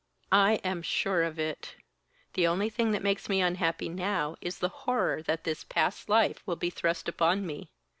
"I am sure of it. The only thing that makes me unhappy now is the horror that this past life will be thrust upon me.